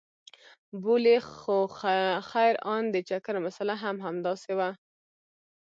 بولې خو خير ان د چکر مساله هم همداسې وه.